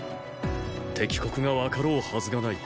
敵国が分かろうはずがない。